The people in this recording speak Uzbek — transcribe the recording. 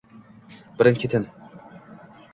Birin-ketin